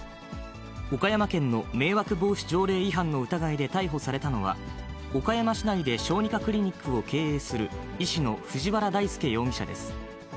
岡山県の迷惑防止条例違反の疑いで逮捕されたのは、岡山市内で小児科クリニックを経営する医師の藤原大輔容疑者です。